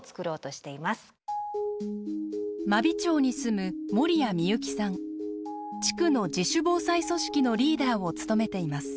真備町に住む地区の自主防災組織のリーダーを務めています。